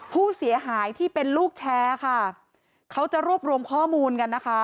ผู้เสียหายที่เป็นลูกแชร์ค่ะเขาจะรวบรวมข้อมูลกันนะคะ